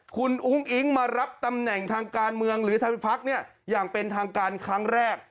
คุณอุ้งอิ๊งมารับตำแหน่งทางการเมืองหรือทางพักเนี่ยอย่างเป็นทางการครั้งแรก